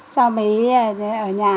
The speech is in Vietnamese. sau mấy ở nhà